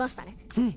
うん。